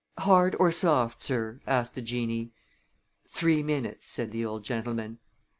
"Hard or soft, sir?" asked the genie. "Three minutes," said the old gentleman.